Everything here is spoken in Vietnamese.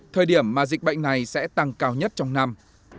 thời điểm mà dịch bệnh này sẽ tăng cao nhất trong năm